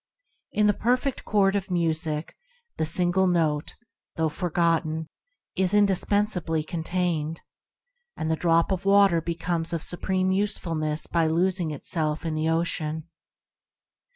In the perfect chord of music the single note, though forgotten, is indispensably contained; and the drop of water becomes of supreme usefulness by losing itself in the ocean.